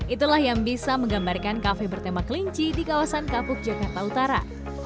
itulah yang bisa menggambarkan kafe bertema kelinci di kawasan kapuk jakarta utara